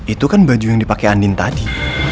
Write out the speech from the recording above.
itu kan baju yang dipakai andin tadi